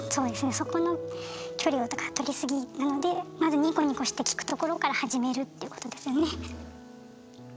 そこの距離をとかとりすぎなのでまずニコニコして聞くところから始めるっていうことですよね。